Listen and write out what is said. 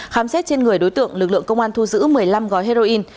khám xét trên người đối tượng lực lượng công an thu giữ một mươi năm gói heroin